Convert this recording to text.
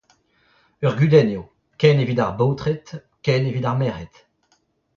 Ur gudenn eo, ken evit ar baotred, ken evit ar merc’hed.